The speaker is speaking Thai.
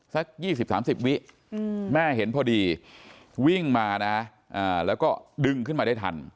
สัก๒๐๓๐วิแม่เห็นพอดีวิ่งมานะแล้วก็ดึงขึ้นมาได้ทัน